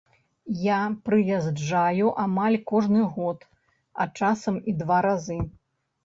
Я прыязджаю амаль кожны год, а часам і два разы.